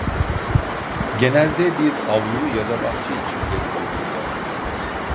Genelde bir avlu ya da bahçe içinde bulunurlar.